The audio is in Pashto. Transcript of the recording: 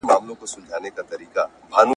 زه مخکي ليکنې کړي وو،